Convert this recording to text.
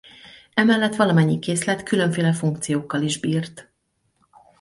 Emellett valamennyi készlet különféle funkciókkal is bírt.